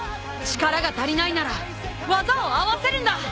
力が足りないなら技を合わせるんだ！